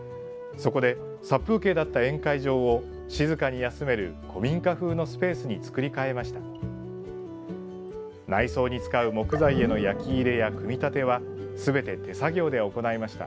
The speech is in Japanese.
そこで、殺風景だった宴会場を静かに休める古民家風のスペースに作り変えました。